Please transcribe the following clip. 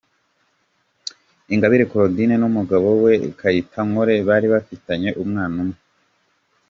Ingabire Claudine n’umugabo we Kayitankore bari bafitanye umwana umwe.